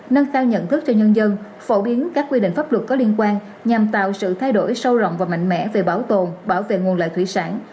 nâng cao nhận thức cho nhân dân phổ biến các quy định pháp luật có liên quan nhằm tạo sự thay đổi sâu rộng và mạnh mẽ về bảo tồn bảo vệ nguồn lợi thủy sản